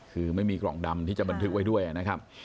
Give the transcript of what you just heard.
คือไม่มีกล่องดำที่จะบันทึกไว้ด้วยนะครับ